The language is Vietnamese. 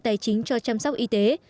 tài chính cho chăm sóc y tế